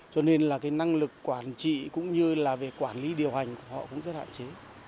cho nên là cái năng lực quản trị cũng như là về quản lý điều hành của họ cũng rất hạn chế